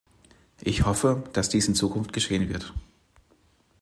Ich hoffe, dass dies in Zukunft geschehen wird.